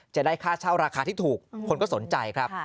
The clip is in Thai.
จะได้ค่าเช่าราคาที่ถูกคนก็สนใจครับ